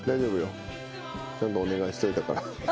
ちゃんとお願いしといたから。